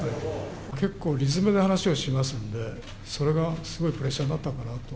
結構理詰めの話をしますので、それがすごいプレッシャーになったのかなと。